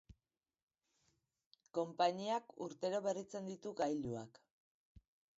Konpainiak urtero berritzen ditu gailuak.